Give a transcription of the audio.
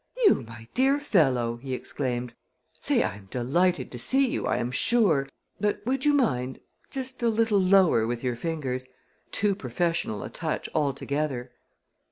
"You, my dear fellow!" he exclaimed. "Say, I'm delighted to see you I am sure! But would you mind just a little lower with your fingers! Too professional a touch altogether!"